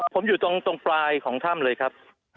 ผมอยู่ตรงปลายของถ้ำเลยครับ